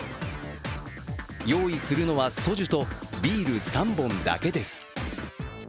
用意するのはソジュとビール３本だけです。